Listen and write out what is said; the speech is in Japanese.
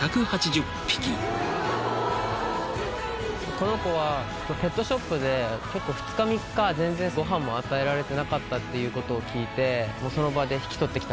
この子はペットショップで結構２日３日全然ご飯も与えられてなかったっていう事を聞いて。